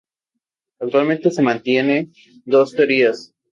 Actualmente se mantiene dos teorías.